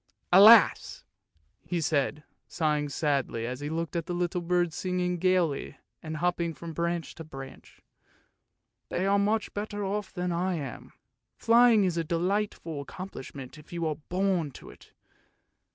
Alas! " he said, sighing sadly, as he looked at the little birds singing gaily and hopping from branch to branch. " They are much better off than I am. Flying is a delightful accomplish ment if you are born to it